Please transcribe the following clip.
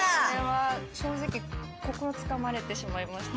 正直心つかまれてしまいました。